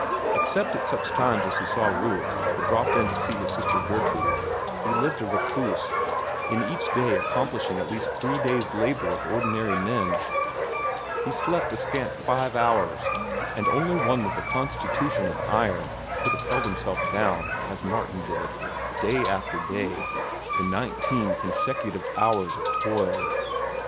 Except at such times as he saw Ruth, or dropped in to see his sister Gertude, he lived a recluse, in each day accomplishing at least three days' labor of ordinary men. He slept a scant five hours, and only one with a constitution of iron could have held himself down, as Martin did, day after day, to nineteen consecutive hours of toil.